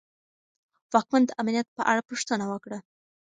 واکمن د امنیت په اړه پوښتنه وکړه.